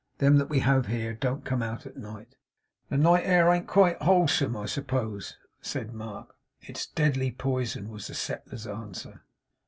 Them that we have here, don't come out at night.' 'The night air ain't quite wholesome, I suppose?' said Mark. 'It's deadly poison,' was the settler's answer.